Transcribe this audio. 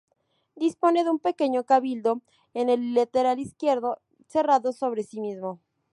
Dispone de un pequeño cabildo en el lateral derecho, cerrado sobre sí mismo.